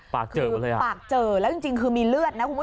ปากเจอแล้วจริงคือมีเลือดนะ